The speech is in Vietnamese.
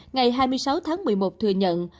ngày hai mươi sáu tháng một mươi một thừa nhận